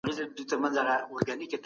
روښانه فکر اندیښنه نه راوړي.